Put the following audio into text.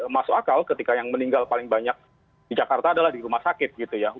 masuk akal ketika yang meninggal paling banyak di jakarta adalah di rumah sakit gitu ya